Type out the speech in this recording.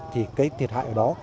thì cây thiệt hại ở đó